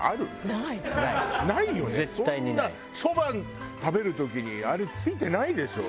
そんなそば食べる時にあれ付いてないでしょ？